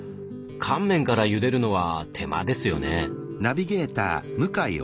乾麺からゆでるのは手間ですよね。